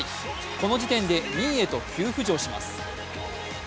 この時点で２位へと急浮上します。